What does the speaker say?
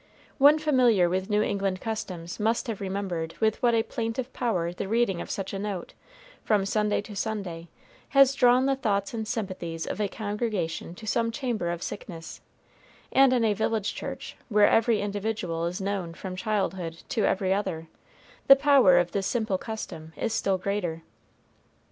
One familiar with New England customs must have remembered with what a plaintive power the reading of such a note, from Sunday to Sunday, has drawn the thoughts and sympathies of a congregation to some chamber of sickness; and in a village church, where every individual is known from childhood to every other, the power of this simple custom is still greater.